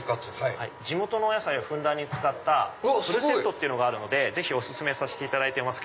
地元のお野菜をふんだんに使ったフルセットがあるのでぜひお薦めさせていただいてます